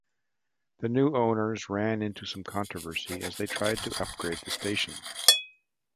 The new owners ran into some controversy as they tried to upgrade the station.